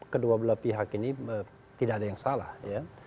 kedua belah pihak ini tidak ada yang salah ya